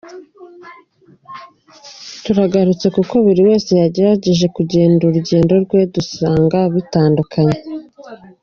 Turagarutse kuko buri wese yagerageje kugenda urugendo rwe dusanga bitandukanye.